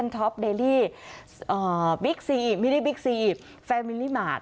๗๑๑ท็อปเดลี่มิลลี่บิ๊กซีแฟนมิลลี่มาร์ท